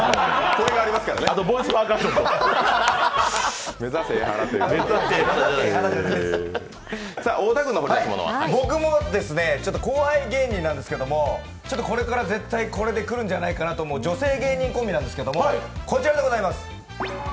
あと、ボイスパーカッションといか僕も後輩芸人なんですけども、これから絶対これでくるんじゃないかなという女性芸人コンビなんですけどこちらでございます。